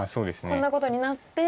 こんなことになって。